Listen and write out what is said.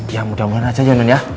ya mudah mudahan aja ya non ya